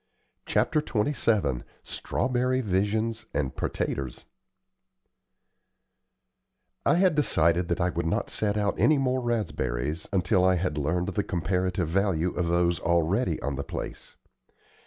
CHAPTER XXVII STRAWBERRY VISIONS AND "PERTATERS" I had decided that I would not set out any more raspberries until I had learned the comparative value of those already on the place.